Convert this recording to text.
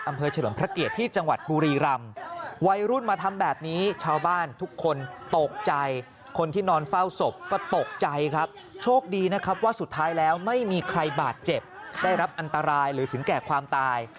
อำเภอเฉลินพระเกียร์ที่จังหวัดบุรีรำ